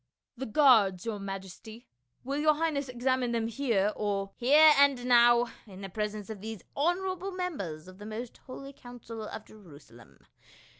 " The guards, your majesty ; will your highness examine them here, or —"" Here and now, in presence of these honorable members of the most holy Council of Jerusalem.